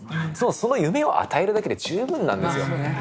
その夢を与えるだけで十分なんですよ